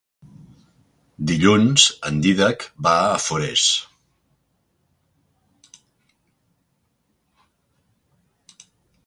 Dilluns en Dídac va a Forès.